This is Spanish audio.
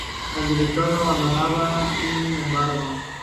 El director no abandona sin embargo, su carrera en el cine.